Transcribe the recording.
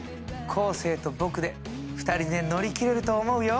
昴生と僕で２人で乗り切れると思うよ！